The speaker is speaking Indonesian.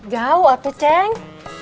jauh apa ceng